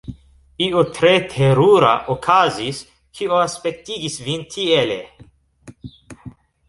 Io tre terura okazis, kio aspektigis vin tiele.